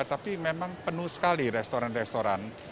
tapi memang penuh sekali restoran restoran